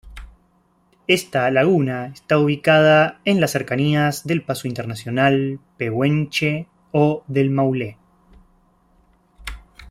Esta laguna está ubicada en las cercanías del Paso Internacional Pehuenche o del Maule.